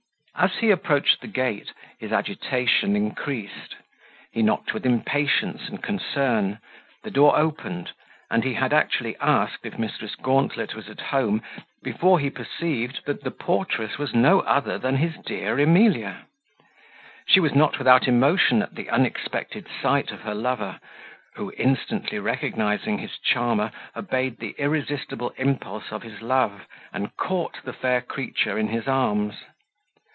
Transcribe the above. As he approached the gate, his agitation increased; he knocked with impatience and concern, the door opened, and he had actually asked if Mrs. Gauntlet was at home, before he perceived that the portress was no other than his dear Emilia. She was not without emotion at the unexpected sight of her lover, who instantly recognising his charmer obeyed the irresistible impulse of his love, and caught the fair creature in his arms.